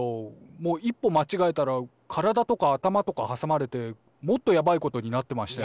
もう一歩まちがえたらからだとか頭とかはさまれてもっとやばいことになってましたよ。